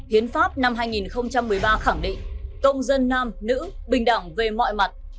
hiến pháp năm hai nghìn một mươi ba khẳng định công dân nam nữ bình đẳng về mọi mặt